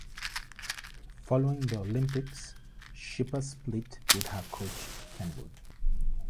Following the Olympics, Schipper split with her coach Ken Wood.